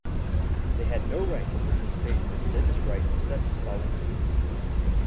They had no right to participate in a religious rite of such solemnity.